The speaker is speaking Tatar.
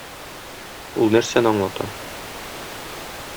Ул нәрсәне аңлата?